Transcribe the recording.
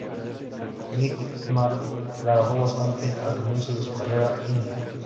Nightmare trabajó bastante al comienzo de su carrera indie.